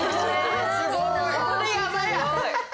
すごい。